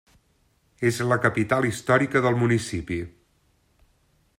És la capital històrica del municipi.